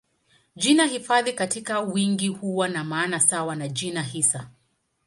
Jina hifadhi katika wingi huwa na maana sawa na jina hisa.